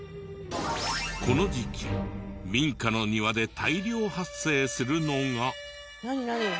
この時期民家の庭で大量発生するのが。